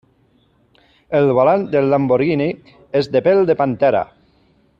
El volant del Lamborghini és de pell de pantera.